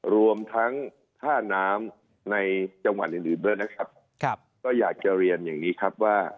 รวมทั้งค่าน้ำในจังหวัดอื่นอื่นด้วยนะครับครับก็อยากจะเรียนอย่างนี้ครับว่า